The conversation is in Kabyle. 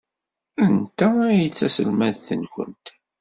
Anta ay d taselmadt-nwent?